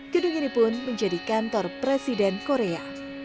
gedung ini pun menjadi kantor presiden korea